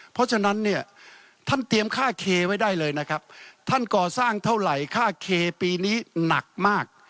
เพราะฉะนั้นเนี่ยท่านเตรียมค่าเคไว้ได้เลยนะครับท่านก่อสร้างเท่าไหร่ค่าเคปีนี้หนักมาก